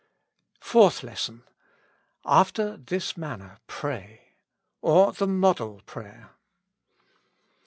31 FOURTH LESSON. After this manner pray ;" or the Model Prayer.